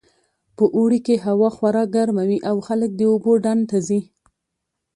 په اوړي کې هوا خورا ګرمه وي او خلک د اوبو ډنډ ته ځي